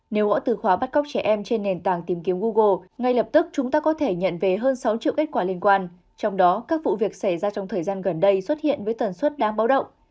nếu gõ từ khóa bắt cóc trẻ em trên nền tảng tìm kiếm google ngay lập tức chúng ta có thể nhận về hơn sáu triệu kết quả liên quan trong đó các vụ việc xảy ra trong thời gian gần đây xuất hiện với tần suất đáng báo động